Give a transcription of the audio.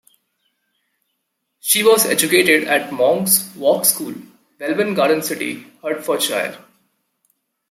She was educated at Monk's Walk School, Welwyn Garden City, Hertfordshire.